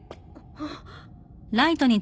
あっ。